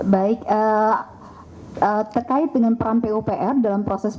baik terkait dengan peran pupr dalam proses